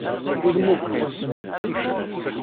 Udem ubxiṣ.